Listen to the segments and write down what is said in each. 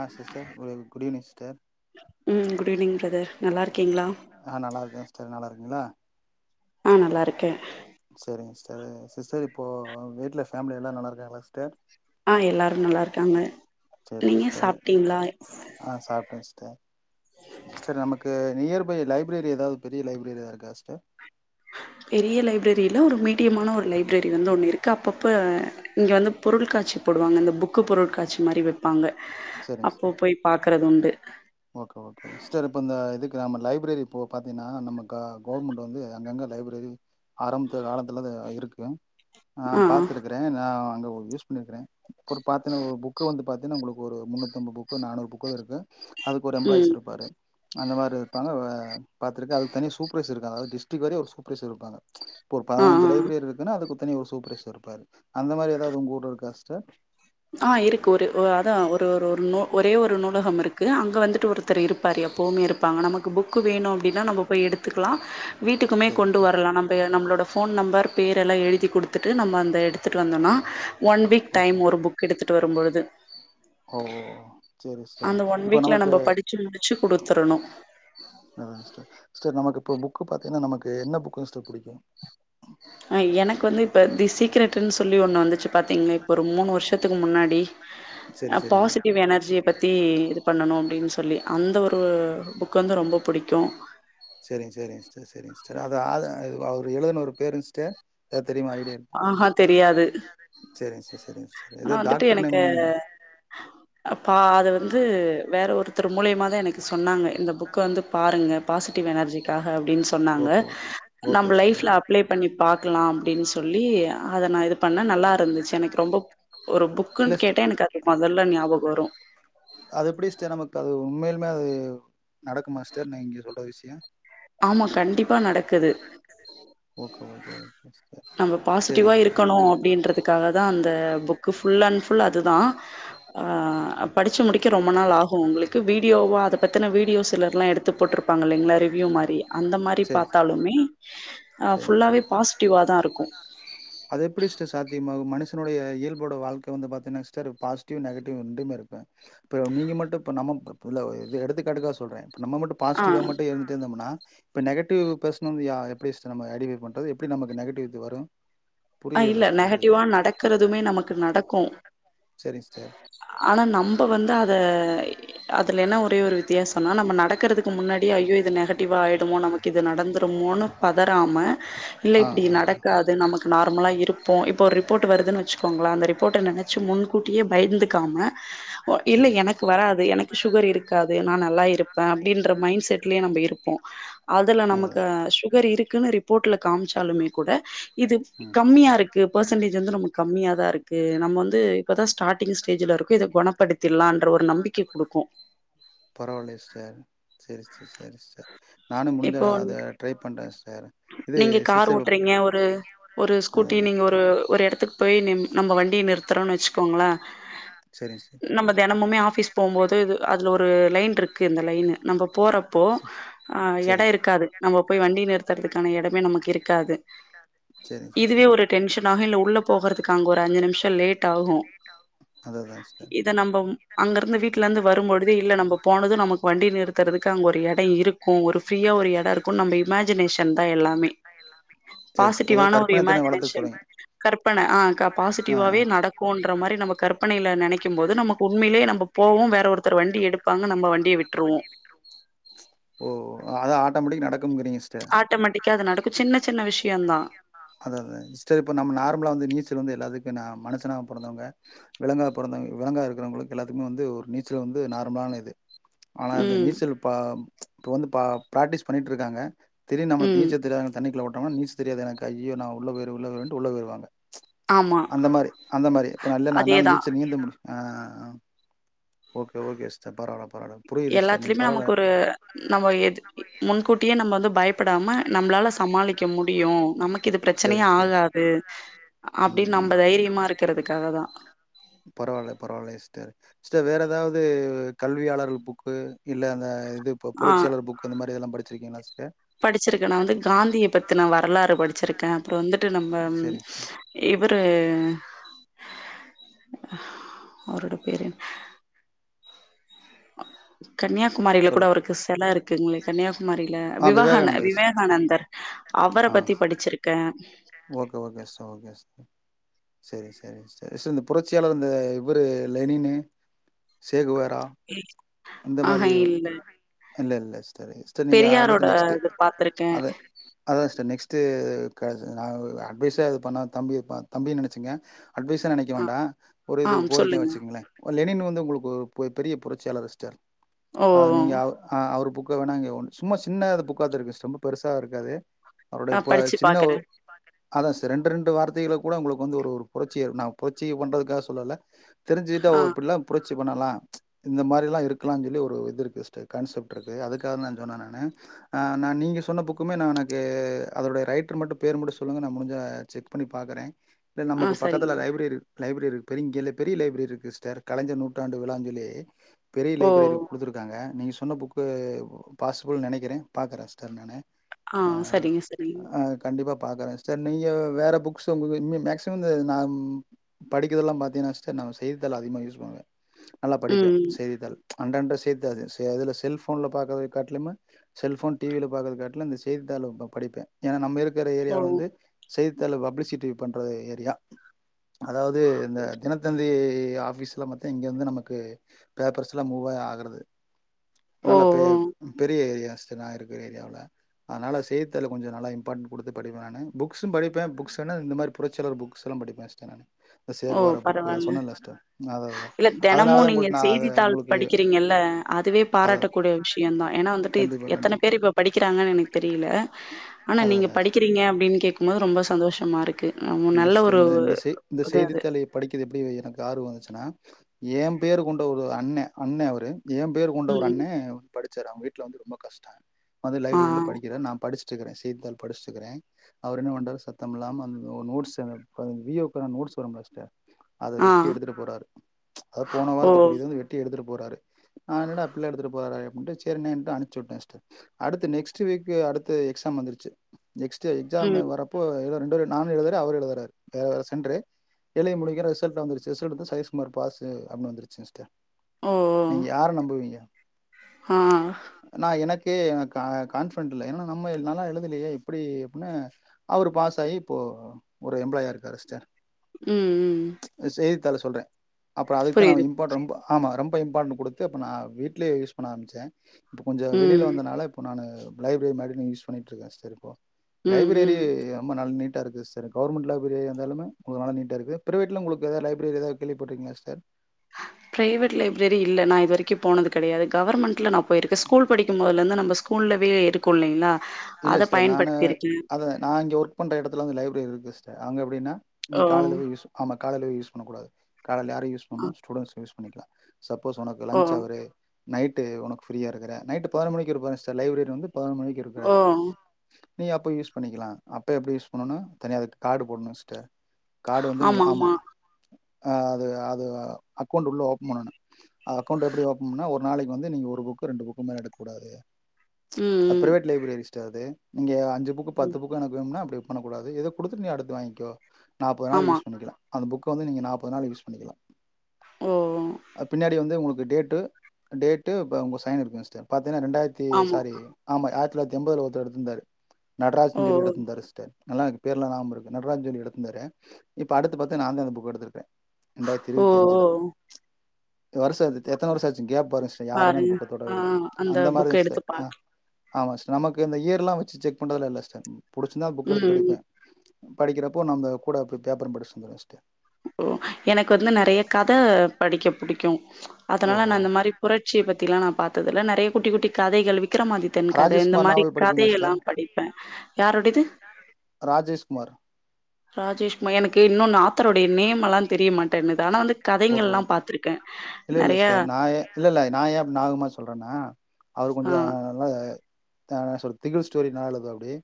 அ sister குடீவ் good evening sister ம் good evening brother நல்லா இருக்கீங்ளா அ நல்லா இருக்க சிஸ்டர் நல்லா ருக்கீங்ளா அ நல்லாருக்கே சேரிங் சிஸ்டர் சிஸ்டர் இப்போ வீட்ல ஃபேமிலியெல்லா நல்லாருக்காங்ளா சிஸ்டர் ஆ எல்லாரு நல்லாருக்காங்க சரிங்க நீங்க சிஸ்டர் சாப்ட்டீங்ளா ஆ சாப்ட்டே சிஸ்டர் சிஸ்டர் நமக்கு நியர்பை லைப் ப்ரெரி எதாவ்து பெரிய லைப்ரரி எதா இருக்கா சிஸ்டர் பெரிய லைப்ரரி இல்ல ஒரு மீட்டியமான ஒரு லைப்ரரி வந்து ஒன்னு இருக்கு அப்பப்ப இங்க வந்து பொருள்காட்சி போடுவாங்க இந்த புக்கு பொருள்காட்சிமாரி வெப்பாங்க சரிங்க அப்போ சிஸ்டர் போய் பாக்கறது உண்டு ஓகே ஓகே சிஸ்டர் இப்ப இந்த இதுக்கு நம்ம லைப்ரரி இப்ப பாத்தீங்னா நம்ம க கவுர்மெண்ட் வந்து அங்ககங்க லைப்ரரி ஆரம்பித்த காலத்துல அது இருக்கு ஆ பாத்துருக்கிறே நா அங்க யூஸ் பண்ணிருக்குறோ ஒரு பாத்தீனா ஒரு புக்கு வந்து பாத்தீன்னா உங்குளுக் ஒரு முன்னூத்தம்பு புக்கு நானூறு புக்காது இருக்கு அதுக்கொரு எம்ப்ளாய்ஸ் ம் இருப்பாரு அந்தமாரி இருப்பாங்க ஆ பாத்துருக்க அதுக்கு தனியா சூப்ரைசர் இருக்காங்க அதாது டிஸ்டிக் வரியா ஒரு சூப்பரைசர் இருப்பாங்க இப்ப ஒரு ஆ பதினஞ்சு ஆ லைப்ரரி இருக்குன்னா அதுக்கு ஒரு தனி ஒரு சூப்பர்வைசர் இருப்பாரு அந்தமாரி எதாது உங்க ஊருல இருக்கா சிஸ்டர் ஆ இருக்கு ஒரு அதா ஒரு ஒரு ஒரு நு ஒரே ஒரு நூலகம் இருக் கு அங்க வந்துட்டு ஒருத்தரு இருப்பரு எப்போமே இருப்பாங்க நமக்கு புக்கு வேணு அப்டினா நம்ம போய் எடுத்துக்லா வீட்டுக்குமே சேரி கொண்டு சேரி வரலா நம்ப நம்மளோட ஃபோன் நம்பர் பேர் எல்லா எழுதி குடுத்துட்டு நம்ம அந்த எடுத்துட்டு வந்தோனா ஒன் வீக் டைம் ஓகே ஒரு புக் எடுத்துட்டு வரும்பொழுது ஓ சேரி சிஸ்டர் அந்த ஒன் இப்போ வீக்ல நமக்கு நம்ம படிச்சு முடி ச்சு குடுத்தரனு அதா சிஸ்டர் சிஸ்டர் நமக்கு இப்போ புக்கு பாத்தீங்கனா நமக்கு என்ன புக்குங் சிஸ்டர் புடிக்கு அ எனக்கு வந்து இப்ப தி சீக்ரட்டுன் சொல்லி ஒன்னு வந்துச்சு பாத்தீங்ளா இப்ப ஒரு மூணு வர்ஷ் இடத்துக்கு முன்னாடி சேரி சேரிங்க பாசிட்டிவ் எனர்ஜிய பத்தி இது பண்ணணு அப்டின் சொல்லி அந்த ஒரு புக் வந்து ரொம்ப புடிக்கு சேரிங்க சேரிங்க சிஸ்டர் சேரிங்க சிஸ்டர் அது அது இது அவுரு எழுதுனவரு பேருங் சிஸ்டர் எதா தெரியுமா ஐடியா இரு ஆஹ தெரியாது சேரிங்க சிஸ்டர் சேரிங்க சிஸ்டர் ஆனா ஏதோ வந்துட்டு டாக்டர் எனக்கு நேம்மு அப்பா அது வந்து வேற ஒருத்தர் மூலியமாத எனக்கு சொன்னாங்க இந்த புக் கு வந்து பாருங்க பாசிட்டிவ் எனர்ஜிக்காக அப்டின் சொன்னாங்க ஓகே ஓகே நம்ம சிஸ்டர் ஓகே லைஃப்ல அப்ளை பண்ணி பாக்கலா அப்டின் சொல்லி அத நா இது பண்ணே நல்லா இருந்துச்சு எனக்கு ரொம்ப ஒரு புக்குன் இல்ல சிஸ்டர் கேட்டா எனக்கு அது மொதல்ல ஞாபகோ வரு அது எப்டி சிஸ்டர் நமக்கு அது உண்மைய்லுமே அது நடக்குமா சிஸ்டர் நீங்க சொல்ற விஷயோ ஆமா கண்டிப்பா நடக்குது ஓகே ஓகே ஓகே சிஸ்டர் நம்ம பாசிட்டிவா செரிங்க இருக்கணு சிஸ்டர் அ ப்டின்றதுக்காகதா அந்த புக்கு ஃபுல் அண்ட் ஃபுல் அதுதா படிச்சு முடிக்க ரொம்ப நாள் ஆகு உங்குளுக்கு வீடியோவா அத பெத்தின வீடியோஸ் சிலர்லா எடுத்து போட்ருப்பாங்க இல்லைங்ளா ரிவ்யூமாரி அந்தமாரி செரி பாத்தாலுமே ஆ ஃபுல்லாவே பாசிட்டிவ்வா முடிவாதா இருக்கு அது எப்டி சிஸ்டர் சாத்தியமாகு மனுஷனுடைய இயல்போட வாழ்க்க வந்து பாத்தேனா சிஸ்டர் பாசிட்டிவ் நெகட்டிவ் ரெண்டுமே இருப்ப இப்ப நீங்க மட்டு இப்ப நம்ம இப்ப இல்ல இது எடுத்துக் காட்டுக்கா சொல்றே இப்ப நம்ம மட்டு ஆ பாசிட்டிவா மட்டு எடுத்திருந்தோம்னா இப்போ நெகட்டிவ் பேஸ்னோன் வையா எப்டி சிஸ்டர் நம அடிவேட் பண்றது எப்டி நமக்கு நெகட்டிவ இது வரு ஆ புரியவே இல்ல சிஸ்டர் எனக்கு இது நெகட்டிவா இல்ல நடக்கறதுமே நமக்கு நடக்கு சேரிங் சிஸ்டர் ஆனா நம்ப வந்து அத அதுல என்ன ஒரே ஒரு வித்தியாசன்னா நம்ம நடக் கறதுக்கு முன்னாடி ஐயோ இது நெகட்டிவாயிடுமோ நமக்கு இது நடந்துருமோன்னு பதறாம இல்ல ஆ இப்டி ஆ ஆ நடக்காது நமக்கு நார்மலா இருப்போ இப்போ ரிப்போர்ட் வருதுன்ன வச்சுக் போங்கலா அந்த ரிப்போர்ட்ட நெனச்சி முன்கூட்டியே முன்கூட்டியே பயந்துக்காம [inaudible] ஓ இல்ல எனக்கு வராது எனக்கு சுகர் இருக்காது நா நல்லா இருப்பே அப்டின்ற மைண்ட் செட்லயே நாம்ப இருப்போ அதுல நமக்கு சுகர் இருக்குன்னு ரிப்போர்ட்ல காமிச்சாலுமே கூட இது ம் கம் கம்மியா இருக்கு பர்சன்டேஜ் வந்து நமக்கு கம்மியா தா இருக்கு நம்ம வந்து இப்பதா ஸ்டாட்டிங் ஸ்டேஜ்ல இருக் [unintelligible] படுத்திறலான்ற ஒரு நம்பிக்கை குடுக்கு பரவாயில்லயே சிஸ்டர் சேரி சிஸ் சேரி சிஸ் நானு முடிஞ்ச இப்போ அத ட்ரை பண்றே சிஸ்டர் இது நீங்க கார் சிஸ்டர் ஓட்டுறீங்க ஒரு ஒரு அதா ஸ்கூட்டி அதா நீங்க ஒரு ஒரு எடத்துக் போயி நிம் நம்ப வண்டி நிறுத்தறோன் வச்சுக்கோங்கள சரிங்க சிஸ்டர். நம்ப தெனமுமே சரிங்க ஆஃபிஸ் போம்போது இது அதுல ஒரு லைன்ருக்கு இந்த லைனு நம்ப போறப்போ ஆ [inaudible] ஆ எட இருக்காது நம்ம போய் வண்டி நிறுத்துறதுக்கான எடமே நமக்கு இருக்காது சரிங்க சிஸ்டர் இதுவே சரி ஒரு டென்ஷனாகு இல்ல உள்ள போகறதுக்கு அங்க ஒரு அஞ்சு நிமிஷோ லேட் ஆகு அதாதா செரி இத நம்ப அங்கருந்து வீட்ல இருந்து வரும்பொழுது இல்ல நம்ப போனது நமக்கு வண்டி நிறுத்துறக்கு அங்க ஒரு எட ட இருக்கு ஒரு ஃப்ரீயா ஒரு எட இருக்கு நம்ப இமேஜினேஷன் தா எல்லாமே சரி சி அதாவது பாசிட்டிவ்வான ஒரு கற்பனை திறன வளர்த்த இமாஜினேஷன் சொல்றீங்க. கற்பன ஆ க ஆ பாசிட்டிவாவே ஆ நடக் கோன்ற மாரி நம்ப கற்பனையில நெனைக்கு போது நமக்கு உண்மையிலயே நம்ப போவோ வேற ஒருத்தர் வண்டி எடுப்பாங்க நம்ப வண்டிய விட் ஓ அதா ஆட்டோமேடிக் நடக்கும்கிறீங்க சிஸ்டர் ஆட்டோமேட்டிக்கா அது நடக்கு சின்ன சின்ன விஷயோ தா அத அதா சிஸ்டர் இப்ப நாம்ப நார்மலா வந்து நீச்சல் வந்து எல்லாத்துக்கு நா மனுசனா பொறந்தவங்க விலங்கா பொறந்தவங்க விலங்கா இருக்கிறவங்களுக்கு எல்லாத்துக்குமே வந்து ஒரு நீச்சல் வந்து நார்மலான இது ஆனா அந்த ம் நீச்சல் இப்ப இப்ப வந்து பா பிராக்டிஸ் பண்ணிட்டுருக்காங்க திடீர்னு நம்முளுக் ம் நீச்சல் தெரியாதவங்களுக் தண்ணிக்குல போட்டோம்னா நீச் தெரியாது எனக்கு ஐயயோ நா உள்ள போயிருவே உள்ள போயிருவேன்ட்டு உள்ள போயிருவாங்க ச் ஆமா அந்த மாரி அந்த மாரி இப்ப நா இல்ல நாலு நாள் அதேதா நீச்சு நீந்த முடியு அ ஓகே ஓகே சிஸ்டர் பரவால பரவால புரியுது சிஸ்டர் நீங் எல்லாத்துலயுமே பரவால நமக்கு ஒரு நம்ம எது இ முன்கூட்டியே நம்ம வந்து பயப் படாம நம்ளால சமாளிக்க முடியு நமக்கு இது பிரச்சனயே சரிங்க, ஆரோக்கிய சரிங்க. ஆகாது ம், அப்படின் ம். நம்ப தைரியமா இருக்கறதுக்காக தா பரவால்ல பரவால்லயா சிஸ்டர் சிஸ்டர் வேற ஏதாவது கல்வியாளர்கள் புக்கு இல்ல அந்த இது ப்போ ஆ புரட்சியாளர் புக்கு அந்த மாரி இதெல்லா படிச்சிருக்கீங்களா சிஸ்டர் படிச்சிருக்கே நா வந்து காந்திய பத்தின வரலாறு படிச்சிருக்கே அப்புறோ வந்துட்டு நம்ப ம் இவரு அவரோட பேரு என்ன நம்ம கன்னியாகுமாரில கூட அவருக்கு செல இருக் குங்களே கன்னியாகுமாரில ஆ விவகான விவேகானந்தர் சிஸ்டர் விவேகானந்தர் அவர ஆ பத்தி படிச்சிருக்கே okay okay sister okay sister sharing sharing சேரிங் சிஸ்டர் இந்த புரட்சியாளர் இந்த இவரு லெனின்னு சேகுவாரா அந்த ஆஹ மாரி இல்ல இல்ல இல்ல சிஸ்டர் இல்ல சி சரி நீங்க பெரியாரோட அடுத்த நெக்ஸ்ட்டு இது பாத்திருக்கே அது அதுதா சிஸ்டர் நெக்ஸ்ட்டு நா அட்வைசு எது பண்ணணா தம்பிப் பா தம்பினு நெனச்சிங்க அட்வைஸா நெனைக்க ஆ வேண்டா ஒரு ஆ இது கோரிக்கையா சொல்லுங்க வச்சுக்கங்களே லெனின் வந்து உங்களுக்கு ஒரு பெரிய புரட்சியாளர் சிஸ்டர் ஓ அ நீங்க அவ ஆ அவரு புக்க வேணா இங்க ஒன்னு சும்மா சின்னது புக்கா தா இருக்குது சிஸ்டர் ரொம்ப பெருசா இருக்காது அவருடைய ஆ இப்ப படிச்சு சின்ன பாக்குறே அதா சே ரெண்டு ரெண்டு வார்த்தைகள கூட உங்களுக்கு வந்து ஒரு ஒரு புரட்சி நா புரட்சிய பண்றதுக்காக சொல்லல தெரிஞ்சுக்கிட்டா ஓ ஆ இப்பில்லா புரட்சி பண்ணலா இந்த மாரில்லா இருக்கலான்னு சொல்லி ஒரு இது இருக்கு ஸ்டர் கான்செப்ட் இருக்கு அதுக்காக தா சொன்னே நானு நா நீங்க சொன்ன புக்கமே நா எனக்கு அதோடைய ரைட்டர் மட்டு பேர் மட்டு சொல்லுங்க நா முடிஞ்சா செக் பண்ணி பாக்குறே இல்ல ஆ நமக்கு சரிங்க பக்கத்துல லைப்ரரி இரு லைப்ரரி இருக்கு பெங்க பெரிய லைப்ரரி இருக்கு சிஸ்டர் கலைஞர் நூற்றாண்டு விழாஞ் சொல்லி பெரிய ஓ லைப்ரரி குடுத்துருக்காங்க நீங்க சொன்ன புக்கு பாசிபிள்னு நெனைக்கிறே பாக்குறே சிஸ்டர் நானு ஆ சரிங்க சரி ஆ கண்டிப்பா பாக்கறே ஸ்டர் நீங்க வேற புக்ஸ் உங்களுக்கு இ மேக்ஸிமம் நா படிக்கிறதெலாம் பாத்திங்கனா சிஸ்டர் நா செய்தித்தாள் அதிகமாக யூஸ் பண்ணுவே நல்லா படிப்பே ம் செய்தித்தாள் அண்ட அண்ட செய்தித்தா அதுல செல்போன்ல பாக்குறது காட்டுலுமே செல்போன் டி வி ல பாற காட்டுல இந்த செய்தித்தாள படிப்பே ஏன்னா நம்ம இருக்கிற ஏரியா ஓ வந்து செய்தித்தாள பப்ளிசிட்டி பண்ற ஏரியா அதாவது இந்த தினத்தந்தி ஆபிஸ்ல மத் இங்க வந்து நமக்கு பேப்பர்ஸ்ல்லா மூவ ஆகறது ஓ ஓ நல்ல பே பெரிய ஏரியா சிஸ்டர் நா இருக்கிற ஏரியாவில அதனால செய்த்த்தாள கொஞ்சோ நல்லா இம்பார்ட்டண்ட் குடுத்து படிப்பே நானு புக்ஸும் படிப்பே புக்ஸ் என்ன இந்த மாரி புறச்சியாலர் புக்ஸ் எல்லா படிப்பே ஸ்டர் ஓ சேகுவார புக்கு பரவால்ல சொன்னேனல்ல ஸ்டர் அதா அத இல்ல தெனமு அதனாலதா நீங்க உங்கள நா அத செய்தித்தாள் உங்களுக்கு படிக்கிறீங்கல்ல அதுவே அதா பாராட்டக்கூடிய விஷயந்தா ஏன்னா வந்துட்டு கண்டிப்பா எத்தன கண்டிப்பா பேர் இப்ப படிக்கிறாங்கன்னு எனக்கு தெரியல ஆனா அதா நீங்க அதா படிக்கிறீங்க அப்படின்னு கேக்கும் போது ரொம்ப சந்தோஷமா இருக்கு நம்ம இந்த நல்ல ஒரு இந்த செய் இந்த இது அது செய்தித்தாளை படிக்கிறது எப்படி எனக்கு ஆர்வம் வந்துச்சுன்னா ஏம் பேரு கொண்ட ஒரு அண்ணே அண்ணே அவரு ஏம் பேர் கொண்ட ஒரு ம் அண்ணே படிச்சாரு அவன் வீட்டல வந்து ரொம்ப கஷ்டோ வந்து ஆ லைப்ரரியில படிக்கிற நா படிச்ச ச்சுக்கிறே செய்தத்தாள் படிச்சுக்கிறே அவர் என்ன பண்றாரு சத்தம் இல்லாம அந்த நோட்ஸ் அந்த வி ஓ க்கெல்லா நோட்ஸ் வரும்ல சிஸ்டர் அத ஆ வெட்டி எடுத்துட்டு போறாரு அத போன ஓ வாரத்துக்குரியத வந்து வெ எடுத்துட்டு போறாரு நா என்ன டா இப்டில்லா எடுத்துட்டு போறாரு செரிண்ணேன்ட்டு அனுப்புச்சு விட்டே சிஸ்டர் அடுத்து நெக்ஸ்ட்டு வீக்கு அடுத்து எக்ஸாம் வந்துருச்சு நெக்ஸ்ட் எக்ஸாம் ம் வரப்போ எதோ ரெண்டு நானு எழுதுறே அவரும் எழுதுறாரு வேற வேற சென்று எழுதி முடிக்கிற ரிசல்ட் வந்துருச்சு ரிசல்ட வந்து சதீஸ் குமார் பாசு அடின்னு வந்துச்சு ஸ்டர் ஓ ஓ நீங்க யார நம்புவீங்க ஆ நா எனக்கே என கா கான்பிடென்ட் இல்ல ஏன்னா நம்ம நல்லா எழுதலையே இப்படி அப்டின்னு அவரு பாஸ் ஆகி இப்போ ஒரு எம்ப்ளாயா இருக்காரு சிஸ்டர் ம் ம் செய்தித்தாள சொல்றே அப்பறோ அதுக்குதா நா புரியுது இம்பார்டன் ரொம்பா ஆமா ரொம்ப இம்பார்ட்டண்ட் குடுத்து இப்ப நா வீட்லயே யூஸ் பண்ண ஆரமிச்சே இப்ப கொஞ்சோ ம் வெளியில வந்தனால இப்ப நானு லைப்ரரி மாரி யூஸ் பண்ணிட்டு இருக்கே ஸ்டர் இப்போ ம் லைப்ரரி ம் ரொம்ப நல்ல நீட் ட்ட இருக்கு சரி கவர்மெண்ட் லைப்ரரியா இருந்தாலே அங்க போன நீட்டா இருக்கு பிரைவேட்டுல உங்ளுக்கு ஏதாவ்து லைப்ரரி எதாவ்து கேள்விப்பட்டிருக்கிங்களா சிஸ்டர் பிரைவேட் லைப்ரரி இல்ல நா இது வரைக்கு போனது கெடையாது கவர்ன்மெண்ட்ல நா போ போயிருக்க ஸ்கூல் படிக்குமோதுல இருந்து நம்ம ஸ்கூல்லவே இருக்கு இல்லைங்களா இல்ல அத சிஸ்டர் நானு பயன்படுத்தியிருக்கே அத நா இங்கே ஒர்க் பண்ணுற எடத்துல வந்து லைப்ரரி இருக்கு சிஸ்டர் அங்க எப்டின்னா நீ ஓ காலையில போய் யூஸ் ஆமா காலைய்ல யூஸ் பண்ண கூடாது காலைல யார யூஸ் பண்ணு அ ஸூடெட்ஸ் யூஸ் பண்ணிக்கிலா சப்போஸ் உனக்கு ஓ லன்ச் அவரு நைட்டு உனக்கு ஃப்ரீயா இருகுற நைட்டு பதினொரு மணிக்கு இருப்பாங்க சிஸ்டர் லைப்ரரி வந்து பதினொரு மணிக்கு ஓ! இருக்குராரு நீ அப்போ யூஸ் பண்ணிக்கலா அப்போ எப்டி யூஸ் பண்ணணும தனி அதுக்கு கார்டு போட்ணு சிஸ்டர் கார்டு வந்து ஆமா, ஆம ஆமா. அது அது அக்கௌண்ட் உள்ள ஓப்பன் பண்ணணு அது அக்கௌண்ட் எப்டி ஓப்பன் பண்ண ஒரு நாளைக்கு வந்து நீங்க ஒரு புக்கு ரெண்டு புக்கு மேல எடுக்கக்க கூடாது ம் அ பிர்ரைவேட் லைப்பிரி சிஸ்டர் அது நீங்க அஞ்சு புக்கு ம், ம். பத்து புக்கு எனக்கு வேணும்னா அப்டி பண்ணக்கூடாது இத குடுத்துட் நீ அடுத்து வாங்கிக்கோ நப்பது நாள் ஆமா. யூஸ் பண்ணிக்கலா அந்த புக்க வந்து நீங்க நப்பது நாள் யூஸ் பண்ணிக்கலா ஓ! அது பின்னாடி வந்து உங்களுக்கு டேட்டு டேட்டு உங்க சைன் இருக்கு சிஸ்டர் பாத்தங்கன்னா ரெண்டாயிரத்தி ஆமா. சாரி ஆமா ஆயிரத்தி தொள்ளாயிரத் எம்பது ஒருத்தரு எடுத்துருந்தாரு ஓ! நடராஜன் சொல்லி எத்துருந்தரு சிஸ்டர் நல்லாக்கு பேர்லா நாம இருக்கு நடராஜ்ஜின் எடுத்தந்தரு இப்போ அடுத்து பாத்திங்கனா நா தா இந்த புக் எடுத்திருக்கே ரண்டாயிரத்தி ஓ! ஓ! இருவத்தி அஞ்சுல வருஷ எத்தன வருஷ ஆச்சி கேப்பாருங் சிஸ்டர் யாருமே அந்த பாருங்க. புக்க ஆ தொடவே இல அந்த புக்க மாரிதா எடுத்து சிஸ்டர் ஆ பாக் ஆமா சிஸ் நமக்கு இந்த இயர் எல்லா வச்சு செக் பண்றதுல இல்ல சிஸ்டர் புடிச்சிருந்தா அந்த புக் எடுத்து ம். படிப்பே படிக்கிறப்போ நம்ம கூட போய் பேப்பரு படிச்சிட்டு வந்துருவே சிஸ்டர் ஓ எனக்கு வந்து நெறைய கத படிக்க புடிக்கு ஓ அதனால நா ஓ அந்த மாரி புரட்சிய பத்தி எல்லா நா பாத்ததுல்ல நெறைய குட்டி குட்டி கதைகள் விக் க்கிரமாதித்தன் கத இந்த ராஜேஷ்குமார் மாரி நாவல் படிப்பீங்களா கதையெல்லா சிஸ்டர் படிப்பே யாரோடையது ராஜேஷ் குமார் ராஜேஷ்குமா எனக்கு இன்னு நா ஆத்தருடைய நேம்ல்லா தெரியமாட்டேனுது ஆனா வந்து கதைகங்க ஓகே எல்லா ஓகே பாத்திருக்கே இல்ல இல்ல நெறைய சிஸ்டர் நா ஏ இல்ல இல்ல நா ஏ நாகரிகமா சொல்றேன்னா அவர் ஆ கொஞ்சோ நல்லா அ என்ன சொல்றது திகிள் ஸ்டோரி நல்லா எழுதுவப்புடி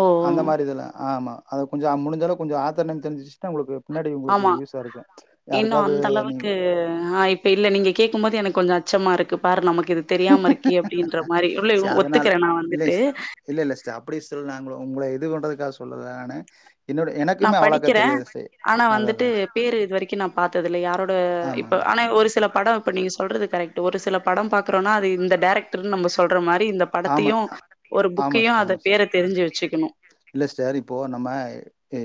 ஓ! ஓ! அந்த மாரி இதெல்லா ஆமா அத கொஞ்சோ முடிஞ்சளவு கொஞ்ச ஆத்தர் நேம் தெரிஞ்சச்சுட்டு உங்களுக்கு பின்னாடி உங்களுக்கு ஆமா. யூஸ் ஸ இருக்கு இன்னும் யாருக்காவது அந்த நீ [unintelligible] ஆ இப்ப இல்ல நீங்க கேக்கு மோது எனக்கு கொஞ்ச அச்சமா இருக்கு பாரு நமக்கு இது தெரியாம இருக்கி அப்டின்ற மாரி இ சரி அதனால ஒத்துக்கிறே நா இல்ல வந்துட்டு இல்ல இல்ல சிஸ்டர் அப்டி சிஸ்டர் நாங்க உங்கள இது பண்றதுக்காக சொல்லல நானு [unintelligible] எனக்குமே நான் அவ்ளக்க படிக்கிறேன். தெரியாது சிஸ்ட ஆனா வந்துட்டு பேரு இது வரைக்கு நா பாத்தது இல்ல யாரோட இப்ப ஆமாமா. ஆனா ஒரு சில படோ இப்ப நீங்க சொல்றது கரெக்ட் ஒரு சில படோ பாக்குறோனா அது இந்த டேரக்டர் நம்ம சொல்ற மாரி இந்த ஆமா. படத்தையு அ ஒரு புக்கையு அத பேர தெரிஞ்சு வச்சுக்கணு இல்லை சிஸ்டர் இப்போ நம்ம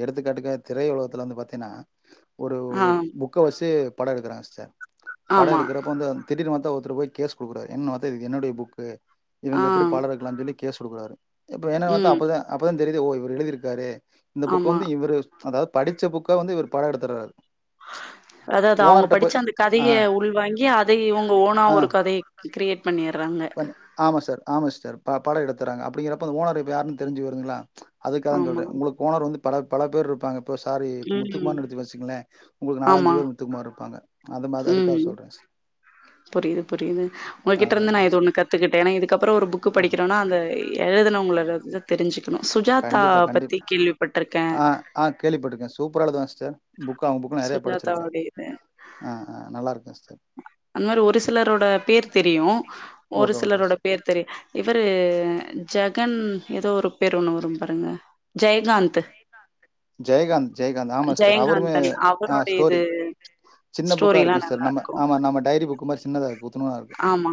எடுத்துக்காட்டுக்க திரையுலகத்துல வந்து பாத்தீங்கன்னா ஒரு ஆ, ஒரு புக்க வச்சு பட எடுக்கிறாங்க சிஸ்ட பட ஆமா. எடுக்கிறப்ப வந்து திடர்னு பாத்தா ஒருத்தரு போய் கேஸ் குடுக்குறார் என்னன்னு பாத்தா இது என்னுடைய புக்கு ஆ, இவுங்க எப்டி பட எடுக்கலாம்னு சொல்லி கேஸ் குடுக்குறாரு இப்ப என்னன்னு பாத்தா ம். அப்பதா அப்பதா தெரியுது ஓ இவ்ரு எழுதிருக்காரு இந்த புக்க ஆமா. வந்து இவ்ரு அதாவ்து படிச்ச புக்க வந்து இவ்ர் பட எடுத்தர்றாரு அதா அவுங்க படிச்சு அந்த ஆ கதைய உள்வாங்கி அத இவுங்க ஓனா ஆ ஒரு கதை கிரியேட் பண்ணியர் பண்ணி ஆமா சார் ஆமா சார் ப பாட எடுத்துறாங்க அப்டிங்கிறப்ப அந்த ஓனர் இப்ப யாருன்னு தெரிஞ்சு போய்ருதுங்களா அதுக்காக தா ஆமா. சொல்றே உங்களுக்கு ஓனர் வந்து பல பல பேரு இருப்பாங்க இப்போ சாரி இப்ப ம். முத்துக்குமார்னு எடுத்து வச்சிங்ளே உங்களுக்கு ஆமா. நாலஞ்சு பேர் முத்துக்குமார் இருப்பாங்க அது மாரி ம். அதுக்காக சொல்றே சார் புரியுது புரியுது உங்ககிட்ட அதான் இருந்து நா அதான் இது ஒன்னு சிஸ்டர். கத்துக்கிட்டே ஏனா இதுக்கப்றோ ஒரு புக் ஓ! படிக்கிறோனா அந்த எழுதனவ்ங்கள வந்து தெரிஞ்சுக்கணு கண்டிப்பா, சுஜாதாவ பத்தி கண்டிப்பா. கேள்விப்பட்ருக்கே ஆ, ஆ கேள்விப்பட்ருக்கே சூப்பரா எழுதுவாங்க சிஸ்டர் புக்கு அவ்ங்க புக்கு நெறைய படிச்சிருக்குறே சுஜாதாவோட இது. ஆ ஆ நல்லா இருக்கே சிஸ்டர் அந்த மாரி ஒரு சிலரோட பேர் தெரியு ஒரு ஓகே, ஓகே சிலரோட சிஸ்டர். பேர் தெரியு இவரு ஜகன் எதோ ஒரு பேரு ஒன்னு வரு பாருங்க ஜெய்காந்த் த்து ஜெயகாந்த் ஜெயகாந்த் ஆமா சிஸ்டர் அவருமே ஆ அவருடைய இது ஸ்டோரி சின்ன புக்கா இருக்கு ஸ்டோரிலாம் சிஸ்டர் நம்ம நல்லாருக்கும். ஆமா நம்ம டைரி புக் மாரி சின்னதா இருக்கு உத்துணுனா இருக்கு ஆமா.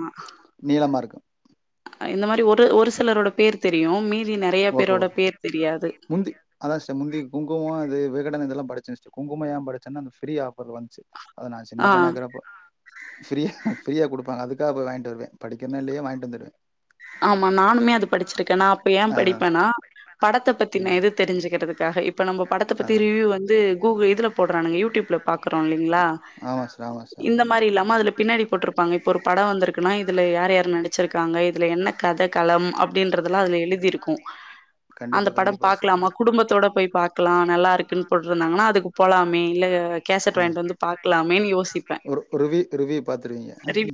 நீளமா இருக்கு அ இந்த மாரி ஒரு ஒரு சிலரோட பேரு தெரியு மீதி நெறைய ஓகே பேரோட ஓகே பேரு தெரியாது முந்தி அதா சிஸ்டர் முந்தி குங்கும இது விகடன் இதெல்லா படிச்சே சிஸ்டர் குங்கும ஏ படிச்சேனா அந்த ஃப்ரீ ஆஃபர்ல வந்துச்சு அது நா சின்ன ஆ. பையனா இருக்குறப்ப ஃப்ரீ ஃப்ரீயா குடுப்பாங்க அதுக்காக போய் வாய்ன்ட்டு வருவே படிக்கிறனோ இல்லயோ வாய்ன்ட்டு வந்துருவே ஆமா நானுமே அது படிச்சிருக்கே நா அப்ப ஏ அதா படிப்பேனா படத்த பத்தின ம் இது தெரிஞ்சுக்கிறதுக காக இப்ப நம்ப படத்தப் பத்தி அதா ரிவ்யூ வந்து கூகு இதுல போட்றானுங்க யூடீப்லப் பாக்குறோ இல்லைங்ளா ஆமா சிஸ்டர் ஆமா சிஸ்டர் ஆமா இந்த சிஸ்டர் மாரி இல்லாம அதுல பின்னாடி போட்ருப்பாங்க இப்ப ஒரு பட வந்துருக்குனா இதுல யாரு யாரு நடிச்சுருக்காங்க இது எழுதியிருக்கும். கண் அந்த பட பாக்லாமா குடும்பத்தோட போய் பாக்லா நல்லா இருக்குன் போட்ருந்தாங்கனா அதுக்கு போலாமே இல்ல கேசட் ஆ வாங்கிட்டு வந்துப் ஒரு ரிவி ரிவ்யூ பாத்துருக்கீங்க ரிவ்யூ